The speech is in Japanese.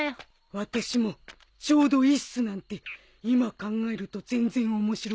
私もちょうどいイッスなんて今考えると全然面白くないし。